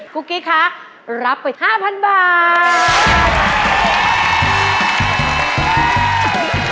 กุ๊กกี้คะรับไป๕๐๐๐บาท